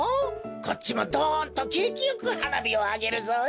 こっちもドンとけいきよくはなびをあげるぞ！